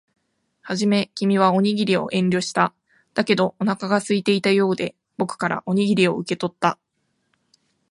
はじめ、君はおにぎりを遠慮した。だけど、お腹が空いていたようで、僕からおにぎりを受け取った。